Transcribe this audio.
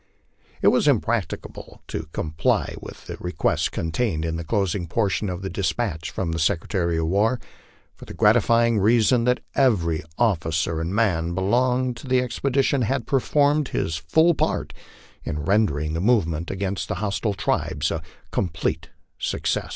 It was impracticable to comply with the request contained in the closing portion of the despatch from the Secretary of War, for the gratifying reason that every officer and man belonging to the expedition had performed his full part in rendering the movement against the hostile tribes a complete success XVII.